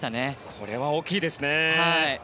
これは大きいですね。